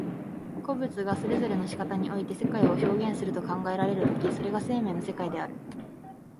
個物がそれぞれの仕方において世界を表現すると考えられる時、それが生命の世界である。